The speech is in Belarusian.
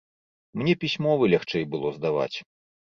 Мне пісьмовы лягчэй было здаваць.